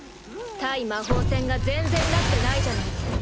対魔法戦が全然なってないじゃないの。